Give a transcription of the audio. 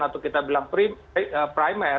atau kita bilang prim